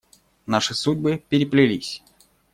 Наши судьбы переплелись.